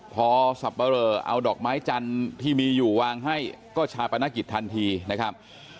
พอสับปะเรอเอาดอกไม้จันทร์ที่มีอยู่วางให้ก็ชาปนกิจทันทีนะครับ